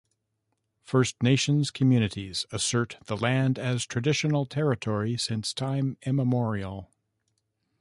First Nations communities assert the land as traditional territory since time immemorial.